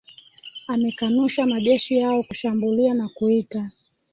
amekanusha majeshi yao kushambulia na kuita